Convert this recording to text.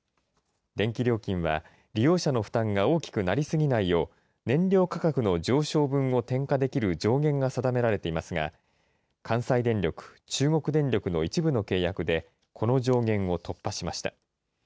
電気料金は利用者の負担が大きくなり過ぎないよう、燃料価格の上昇分を転嫁できる上限が定められていますが、関西電力、中国電力の一部の契約で、この上限を突破しました。